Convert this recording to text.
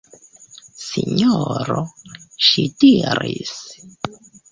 Sinjoro, ŝi diris.